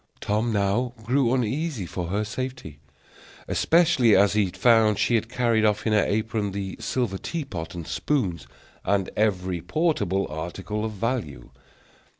Tom now grew uneasy for her safety, especially as he found she had carried off in her apron the silver tea pot and spoons, and every portable article of value.